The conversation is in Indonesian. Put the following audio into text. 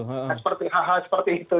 seperti hal hal seperti itu